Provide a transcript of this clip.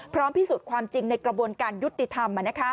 พิสูจน์ความจริงในกระบวนการยุติธรรม